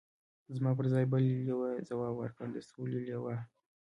زما پر ځای بل یوه ځواب ورکړ: د سولې لوا.